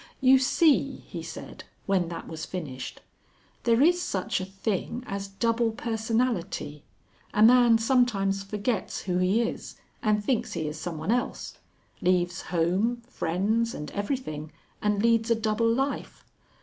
"You see;" he said, when that was finished. "There is such a thing as double personality.... A man sometimes forgets who he is and thinks he is someone else. Leaves home, friends, and everything, and leads a double life.